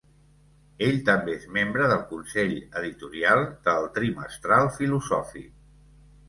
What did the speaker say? Ell també és membre del consell editorial de "El Trimestral Filosòfic".